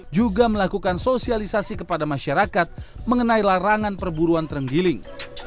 juga melakukan sosialisasi kepada masyarakat mengenai larangan perburuan terenggiling